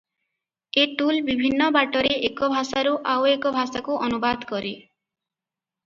ଏ tool ବିଭିନ୍ନ ବାଟରେ ଏକ ଭାଷାରୁ ଆଉ ଏକ ଭାଷାକୁ ଅନୁବାଦ କରେ ।